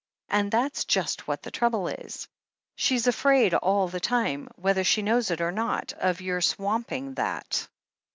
And that's just what the trouble is. She's afraid all the time, whether she knows it or not, of your swamping that.